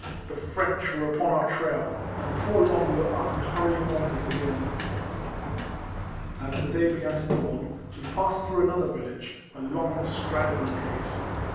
The French were upon our trail, and before long we were up and hurrying onwards again. As the day began to dawn, we passed through another village — a long, straggling place.